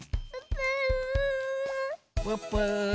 プップー！